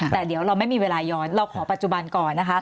แต่เดี๋ยวเราไม่มีเวลาย้อนเราขอปัจจุบันก่อนนะคะ